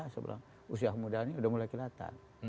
saya bilang usia muda ini sudah mulai kelihatan